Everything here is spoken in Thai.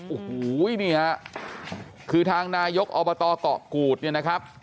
โอ้โหนี่ฮะคือทางนายกอบตเกาะกูดเนี่ยนะครับ